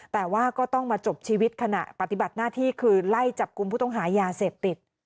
แต่ว่าก็ต้องมาจบชีวิตขณะปฏิบัติหน้าที่คือไล่จับกลุ่มผู้ต้องหายาเสพติด